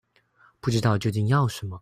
不知道究竟要什麼